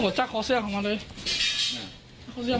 ของเจ้าตายไปเลยพี่ไหนรู้หว่า